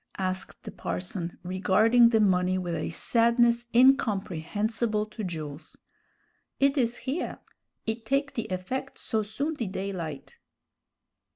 asked the parson, regarding the money with a sadness incomprehensible to Jules. "It is here; it take the effect so soon the daylight."